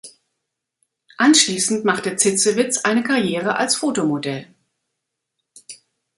Anschließend machte Zitzewitz eine Karriere als Fotomodell.